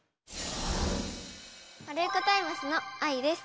ワルイコタイムスのあいです。